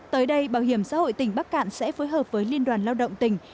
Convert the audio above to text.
tới đây bảo hiểm xã hội tỉnh bắc cạn sẽ phối hợp với liên đoàn lao động tỉnh